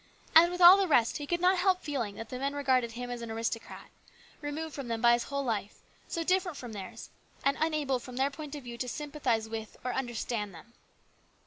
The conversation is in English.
And with all the rest he could not help feeling that the men regarded him as an aristocrat, removed from them by his whole life, so different from theirs, and unable from their point of view to sympathise with or understand them.